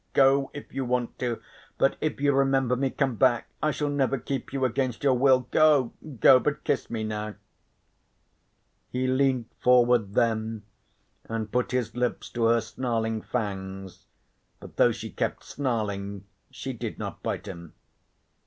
Go if you want to. But if you remember me come back. I shall never keep you against your will. Go go. But kiss me now." He leant forward then and put his lips to her snarling fangs, but though she kept snarling she did not bite him.